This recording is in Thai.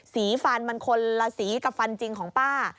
สีฟันมันคนละสีกับฟันจริงของป้า